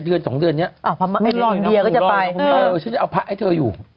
เดือนสองเดือนเนี้ยไอ้รองเดียก็จะไปฉันจะเอาพระให้เธออยู่